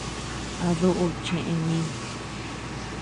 A duuʼu chee míi.